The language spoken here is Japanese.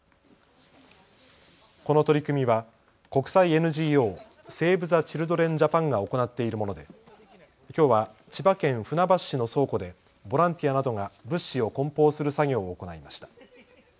この取り組みは国際ＮＧＯ、セーブ・ザ・チルドレン・ジャパンが行っているものできょうは千葉県船橋市の倉庫でボランティアなどが物資をこん包する作業を行いました。